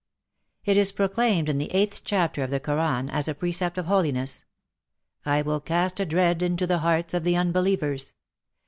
It is proclaimed in the eighth chapter of the Koran as a precept of holiness :" I will cast a dread into the hearts of the unbelievers.